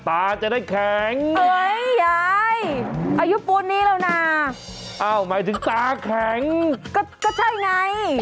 อ้าวหมายถึงตาแข็งก็ใช่ไง